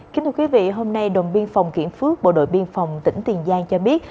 kính thưa quý vị hôm nay đồn biên phòng kiển phước bộ đội biên phòng tỉnh tiền giang cho biết